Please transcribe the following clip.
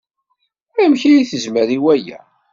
Amek ay tezmer i waya?